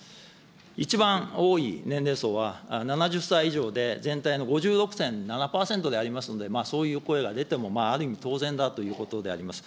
一番多い年齢層は７０歳以上で、全体の５６．７％でありますので、そういう声が出てもある意味当然だということであります。